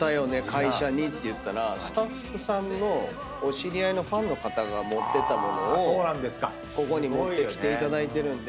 会社にって言ったらスタッフさんのお知り合いのファンの方が持ってた物をここに持ってきていただいてる。